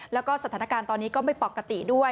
แล้วก็สถานการณ์ตอนนี้ก็ไม่ปกติด้วย